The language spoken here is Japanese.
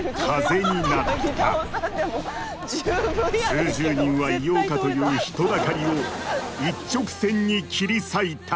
数十人はいようかという人だかりを一直線に切り裂いた